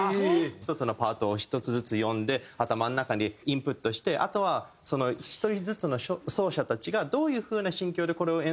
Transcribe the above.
１つのパートを１つずつ読んで頭の中にインプットしてあとは１人ずつの奏者たちがどういう風な心境でこれを演奏するのか。